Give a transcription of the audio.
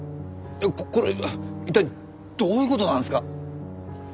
これ一体どういう事なんですか？